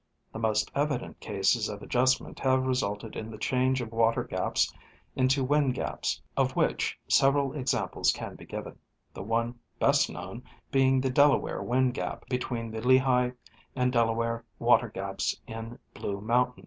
The most evident cases of adjustment have resulted in the change of water gaps into wind gaps, of which several examples can be given, the one best known being the Delaware wind gap between the Lehigh and Delaware water gaps in Blue mountain.